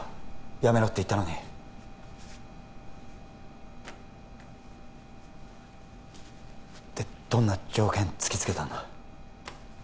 やめろって言ったのにでどんな条件突きつけたんだ？